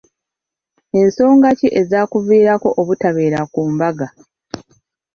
Ensoga ki ezaakuviiriddeko obutabeera ku mbaga?